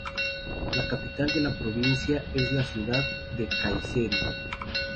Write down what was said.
La capital de la provincia es la ciudad de Kayseri.